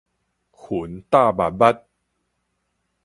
雲罩密密